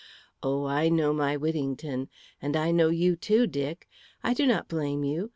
Oh, I know my Whittington. And I know you, too, Dick. I do not blame you.